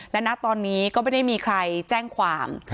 และณตอนนี้ก็ไม่ได้มีใครแจ้งความ